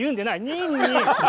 ニンニン。